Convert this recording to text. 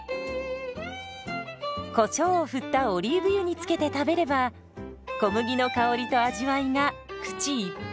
こしょうを振ったオリーブ油につけて食べれば小麦の香りと味わいが口いっぱい！